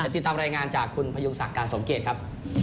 ติดตามรายงานจากคุณพยุงศักดิ์การสมเกตครับ